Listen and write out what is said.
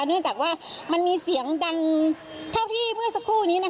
เนื่องจากว่ามันมีเสียงดังเท่าที่เมื่อสักครู่นี้